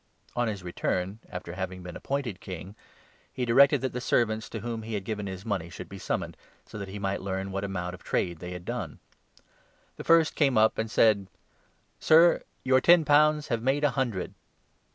On his return, after 15 having been appointed King, he directed that the servants to whom he had given his money should be summoned, so that he might learn what amount of trade they had done. The first 16 came up, and said ' Sir, your ten pounds have made a hundred.'